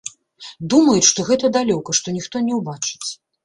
Думаюць, што гэта далёка, што ніхто не ўбачыць.